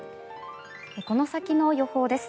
この先の予報です。